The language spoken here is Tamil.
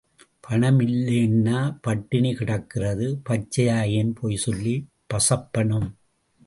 பணம் இல்லேன்னா பட்டினி கிடக்குறது பச்சையா ஏன் பொய் சொல்லி பசப்பனும்?